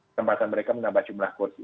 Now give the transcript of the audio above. kesempatan mereka menambah jumlah kursi